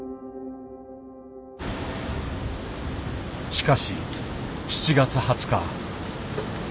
しかし７月２０日。